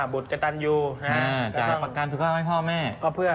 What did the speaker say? บุธกระตันยูน่ะจ้ายประกันสุขภาพให้พ่อแม่